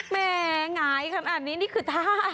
แหมหงายครับอันนี้คือท่า